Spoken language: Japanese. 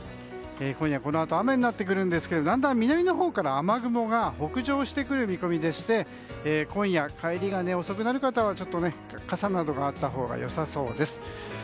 今夜、このあと雨になってくるんですけれどもだんだん南のほうから雨雲が北上してくる見込みでして今夜、帰りが遅くなる方は傘などがあったほうが良さそうです。